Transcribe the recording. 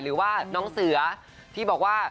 หรือว่าน้องเสือที่บอกว่า